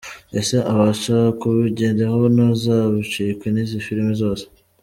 Ese abasha kubigeraho? Ntuzacikwe n’izi film zose.